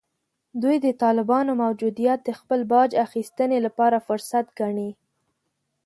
دوی د طالبانو موجودیت د خپل باج اخیستنې لپاره فرصت ګڼي